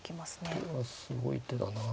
これはすごい手だな。